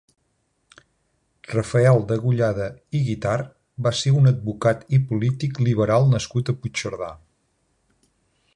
Rafael Degollada i Guitart va ser un advocat i polític liberal nascut a Puigcerdà.